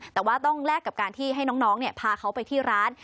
แต่ว่าต้องแลกกับการที่ให้น้องพาเขาไปที่ร้าน